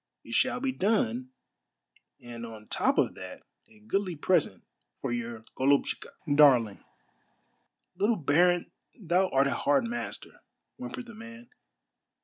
It shall be done, and on top of that a goodly present for your yoluhtchika (darling)." "Little baron, thou art a hard master," whimpered the man.